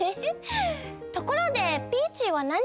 ところでピーチーはなにしにきたの？